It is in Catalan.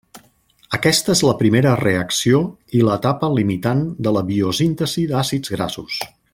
Aquesta és la primera reacció i l’etapa limitant de la biosíntesi d’àcids grassos.